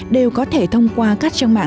đều có thể thông qua các trang mạng